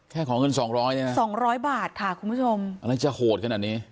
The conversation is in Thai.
แค่ของเงิน๒๐๐นี่นะอะไรจะโหดขนาดนี้คุณผู้ชม๒๐๐บาทค่ะ